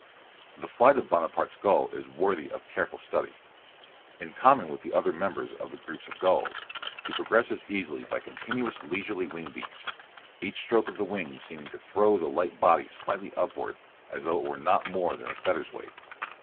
The flight of Bonaparte's gull is worthy of careful study. In common with the other members of the group of gulls, he progresses easily by continuous leisurely wing beats, each stroke of the wings seeming to throw the light body slightly upward as though it were not more than a feather's weight.